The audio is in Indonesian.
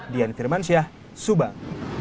dian firmansyah subang